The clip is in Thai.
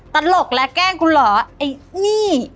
ตลกและแกล้งกูเหรอไอ้นี่